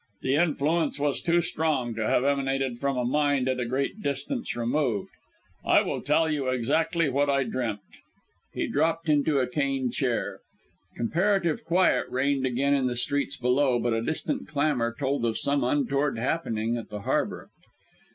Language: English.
The influence was too strong to have emanated from a mind at a great distance removed. I will tell you exactly what I dreamt." He dropped into a cane armchair. Comparative quiet reigned again in the streets below, but a distant clamour told of some untoward happening at the harbour.